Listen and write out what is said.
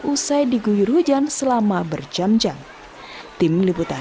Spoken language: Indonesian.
usai diguyur hujan selama berjam jam